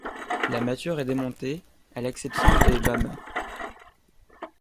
La mâture est démontée, à l’exception des bas mâts.